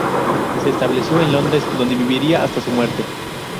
Se estableció en Londres, donde viviría hasta su muerte.